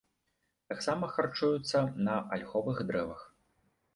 Таксама харчуюцца на альховых дрэвах.